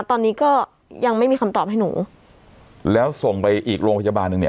ตอนนี้ก็ยังไม่มีคำตอบให้หนูแล้วส่งไปอีกโรงพยาบาลหนึ่งเนี่ย